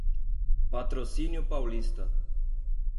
Patrocínio Paulista